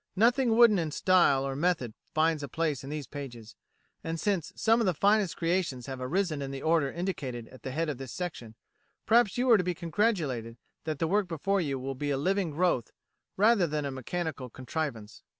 Nothing wooden in style or method finds a place in these pages, and since some of the finest creations have arisen in the order indicated at the head of this section, perhaps you are to be congratulated that the work before you will be a living growth rather than a mechanical contrivance.